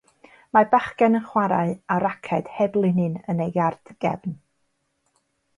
Mae bachgen yn chwarae â raced heb linyn yn ei iard gefn.